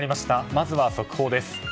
まずは速報です。